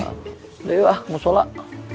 yaudah yuk ah mushollah